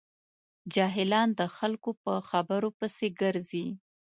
جاهلان د خلکو په خبرو پسې ګرځي.